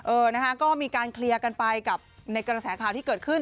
เออนะคะก็มีการเคลียร์กันไปกับในกระแสข่าวที่เกิดขึ้น